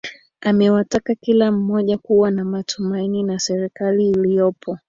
Amewataka kila mmoja kuwa na matumaini na serikali iliyopo